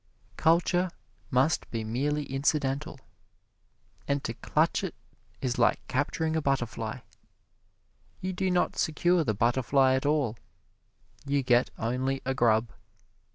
Culture must be merely incidental, and to clutch it is like capturing a butterfly: you do not secure the butterfly at all you get only a grub.